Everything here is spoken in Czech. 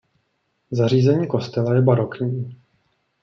Zařízení kostela je barokní.